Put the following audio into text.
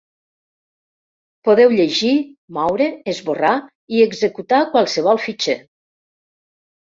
Podeu llegir, moure, esborrar i executar qualsevol fitxer.